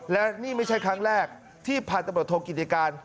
และนี่ไม่ใช่ครั้งแรกที่พันธบทโทกิติการ